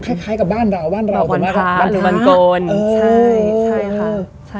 คล้ายกับบ้านเราบ้านเราถูกไหมคะบ้านพระหรือบ้านกลใช่ค่ะใช่ค่ะ